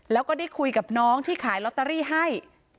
แล้วก็ได้คุยกับน้องที่ขายลอตเตอรี่ให้